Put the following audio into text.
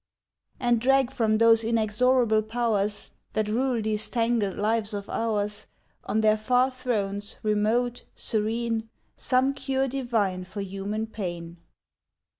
And drag from those inexorable powers That rule these tangled lives of ours, On their far thrones, remote, serene, Some cure divine for human pain.